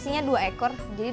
sampai jumpa di video selanjutnya